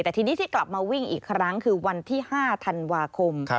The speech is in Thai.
แต่ทีนี้ที่กลับมาวิ่งอีกครั้งคือวันที่๕ธันวาคม